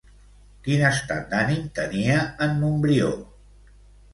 Quin estat d'ànim tenia en Montbrió?